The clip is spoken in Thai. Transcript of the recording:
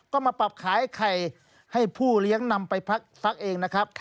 ก็มาปรับขายไข่ให้ผู้เลี้ยงนำไปพักเองนะครับ